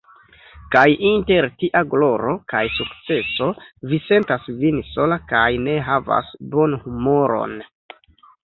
Kaj inter tia gloro kaj sukceso Vi sentas Vin sola kaj ne havas bonhumoron!